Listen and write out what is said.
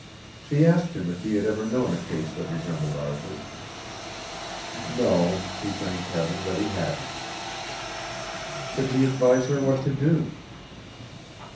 She asked him if he had ever known a case that resembled Arthur's. No, he thanked Heaven that he hadn't. Could he advise her what to do?